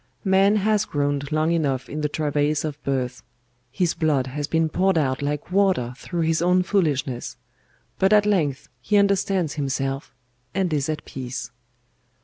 Man has groaned long enough in the travails of birth; his blood has been poured out like water through his own foolishness; but at length he understands himself and is at peace.